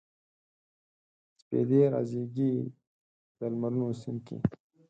سپیدې رازیږي د لمرونو سیند کې